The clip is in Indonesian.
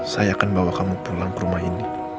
saya akan bawa kamu pulang ke rumah ini